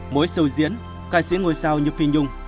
mỗi sầu diễn ca sĩ ngôi sao như phi nhung